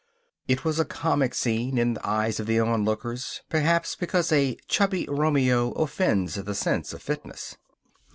It was a comic scene in the eyes of the onlooker, perhaps because a chubby Romeo offends the sense of fitness.